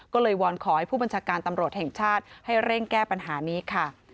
ก็เลยวอนขอให้ผู้บัญชาการตำรวจแห่งชาติให้เร่งแก้ปัญหานี้ค่ะ